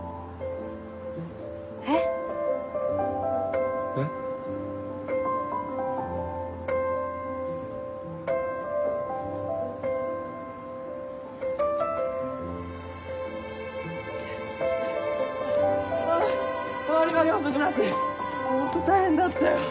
えっ？えっ？おい悪い悪い遅くなってホント大変だったよ。